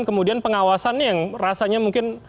kemudian pengawasannya yang rasanya mungkin